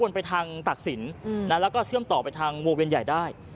ไปทางตักศิลป์แล้วก็เชื่อมต่อไปทางวงเวียนใหญ่ได้